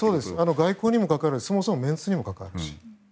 外交にも関わるしメンツにも関わると。